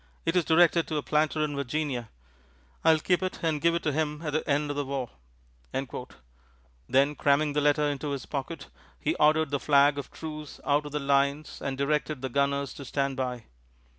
It is directed to a planter in Virginia. I'll keep it and give it to him at the end of the war." Then, cramming the letter into his pocket, he ordered the flag of truce out of the lines and directed the gunners to stand by.